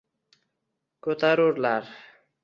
Ko’tarurlar